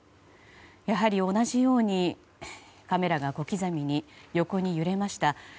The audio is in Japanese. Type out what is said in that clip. やはり同じようにカメラが小刻みに横に揺れました。